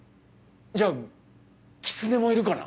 じゃあキツネもいるかな？